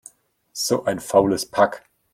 So ein faules Pack!